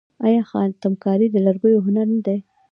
آیا خاتم کاري د لرګیو هنر نه دی؟